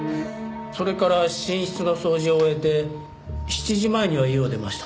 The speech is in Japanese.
それから寝室の掃除を終えて７時前には家を出ました。